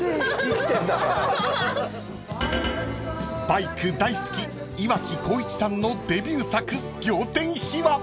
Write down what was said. ［バイク大好き岩城滉一さんのデビュー作仰天秘話］